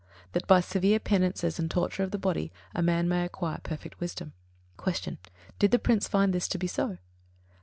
That by severe penances and torture of the body a man may acquire perfect wisdom. 50. Q. _Did the Prince find this to be so?